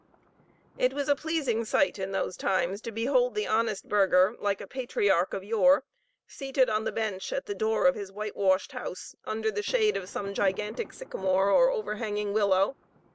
It was a pleasing sight in those times to behold the honest burgher, like a patriarch of yore, seated on the bench at the door of his whitewashed house, under the shade of some gigantic sycamore or overhanging willow.